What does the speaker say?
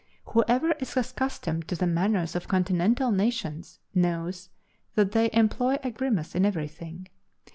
Whoever is accustomed to the manners of Continental nations knows that they employ a grimace in everything.